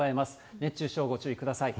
熱中症ご注意ください。